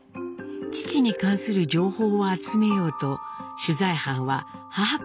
父に関する情報を集めようと取材班は母方の親戚へ連絡。